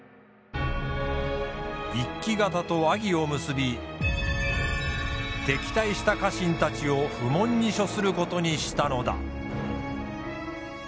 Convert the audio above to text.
一揆方と和議を結び敵対した家臣たちを不問に処することにしたのだ。